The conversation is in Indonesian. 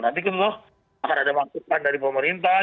nanti tentu akan ada masukan dari pemerintah